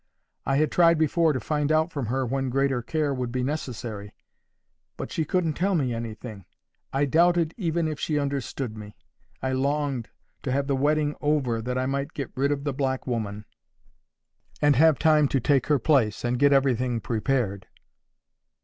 I had tried before to find out from her when greater care would be necessary, but she couldn't tell me anything. I doubted even if she understood me. I longed to have the wedding over that I might get rid of the black woman, and have time to take her place, and get everything prepared.